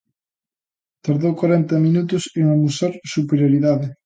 Tardou corenta minutos en amosar superioridade.